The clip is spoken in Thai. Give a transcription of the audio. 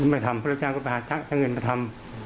ไม่ทำผู้รับจ้างก็ไปพาช่างเงินมาทำ